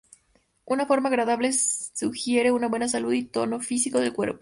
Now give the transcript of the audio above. Una forma agradable sugiere una buena salud y tono físico del cuerpo.